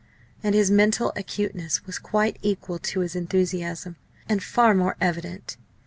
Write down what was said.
And his mental acuteness was quite equal to his enthusiasm, and far more evident.